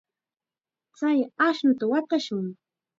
Chay ashnuta watashun.